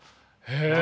へえ！